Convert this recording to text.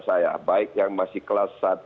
saya baik yang masih kelas